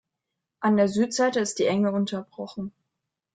An der Südseite ist die Enge unterbrochen.